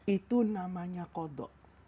itu namanya koda